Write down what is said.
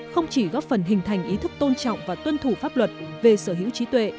không chỉ góp phần hình thành ý thức tôn trọng và tuân thủ pháp luật về sở hữu trí tuệ